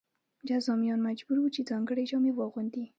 جذامیان مجبور وو چې ځانګړې جامې واغوندي.